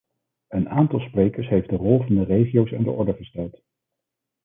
Een aantal sprekers heeft de rol van de regio's aan de orde gesteld.